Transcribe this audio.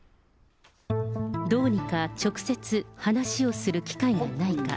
どうにか直接、話をする機会がないか。